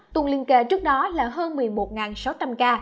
tuần liên kề trước đó là hơn một mươi một sáu trăm linh ca